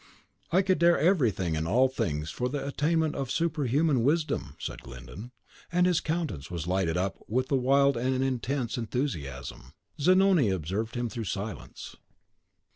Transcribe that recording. "I could dare everything and all things for the attainment of superhuman wisdom," said Glyndon, and his countenance was lighted up with wild and intense enthusiasm. Zanoni observed him in thoughtful silence.